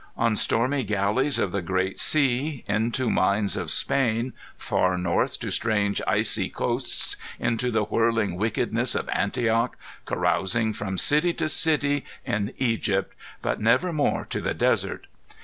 On stormy galleys of the great sea, into mines of Spain, far north to strange icy coasts, into the whirling wickedness of Antioch, carousing from city to city in Egypt, but never more to the desert!